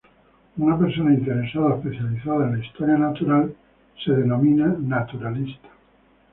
Una persona interesada o especializada en la "historia natural" es denominada "naturalista".